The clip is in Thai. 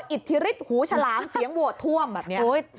อิทธิฤทธิหูฉลามเสียงโหวตท่วมแบบนี้